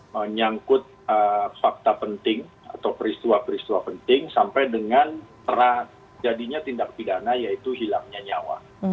menyangkut fakta penting atau peristiwa peristiwa penting sampai dengan terjadinya tindak pidana yaitu hilangnya nyawa